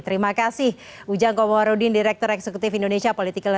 terima kasih ujang komoharudin direktur eksekutif indonesia political review